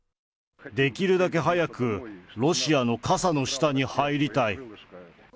できるだけ早くロシアの傘の下に入りたい。